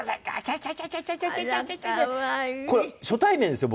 これ初対面ですよ